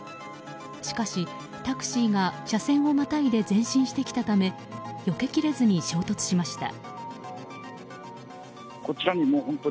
しかし、タクシーが車線をまたいで前進してきたためよけきれずに衝突しました。